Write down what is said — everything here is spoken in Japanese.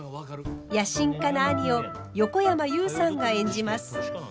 野心家な兄を横山裕さんが演じます。